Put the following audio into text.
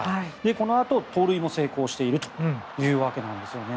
このあと盗塁も成功しているというわけなんですよね。